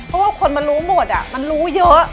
เพราะว่าคนมันรู้หมดมันรู้เยอะ